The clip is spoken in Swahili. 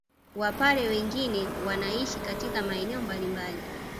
Wapare wengine wanaishi katika maeneo mbalimbali